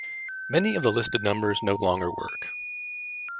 Many of the listed numbers no longer work.